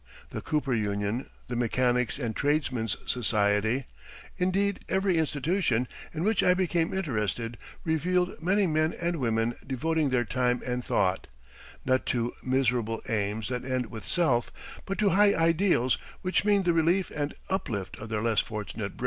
The Cooper Union, the Mechanics and Tradesmen's Society, indeed every institution in which I became interested, revealed many men and women devoting their time and thought, not to "miserable aims that end with self," but to high ideals which mean the relief and uplift of their less fortunate brethren.